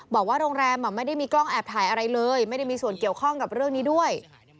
บอกว่าโรงแรมไม่ได้มีกล้องแอบถ่ายอะไรเลยไม่ได้มีส่วนเกี่ยวข้องกับเรื่องนี้ด้วย